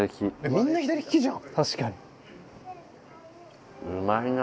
みんな左利きじゃん。